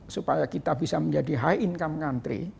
supaya kita bisa menjadi high income country